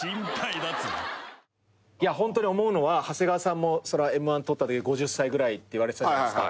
ホントに思うのは長谷川さんもＭ−１取ったとき５０歳ぐらいっていわれてたじゃないですか。